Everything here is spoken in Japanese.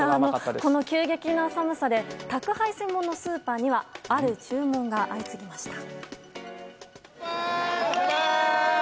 この急激な寒さで宅配専門のスーパーにはある注文が相次ぎました。